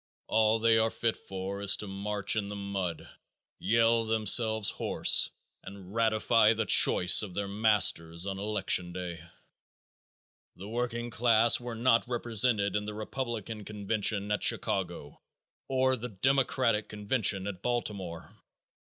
All they are fit for is to march in the mud, yell themselves hoarse, and ratify the choice of their masters on election day. The working class was not represented in the Republican convention at Chicago or the Democratic convention at Baltimore.